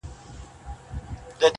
یا مرور دی له تعبیره قسمت!.